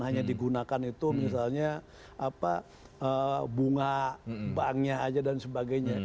hanya digunakan itu misalnya bunga banknya aja dan sebagainya